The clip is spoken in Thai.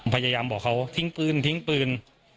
พยายามบอกเขาทิ้งปืนทิ้งปืน